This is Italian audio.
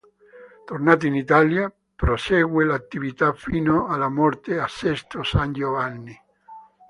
Tornato in Italia, prosegue l'attività fino alla morte a Sesto San Giovanni.